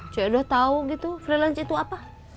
cukai udah tahu gitu freelance itu apa